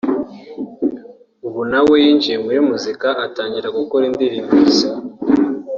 ubu nawe yinjiye muri muzika atangira gukora indirimbo ze